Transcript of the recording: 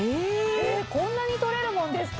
こんなに取れるもんですか。